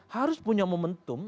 harus punya momentum